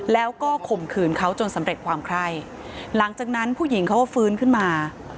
แล้วก็ข่มขืนเขาจนสำเร็จความไคร้หลังจากนั้นผู้หญิงเขาก็ฟื้นขึ้นมา